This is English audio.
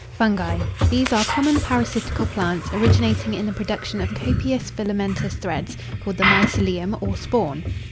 FUNGI. These are common parasitical plants, originating in the production of copious filamentous threads, called the mycelium, or spawn.